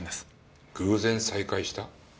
偶然再会した？